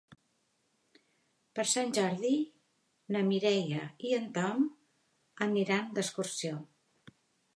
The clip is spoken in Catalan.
Per Sant Jordi na Mireia i en Tom aniran d'excursió.